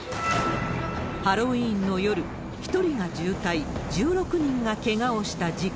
ハロウィーンの夜、１人が重体、１６人がけがをした事件。